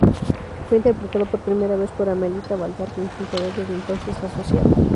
Fue interpretado por primera vez por Amelita Baltar, con quien quedó desde entonces asociada.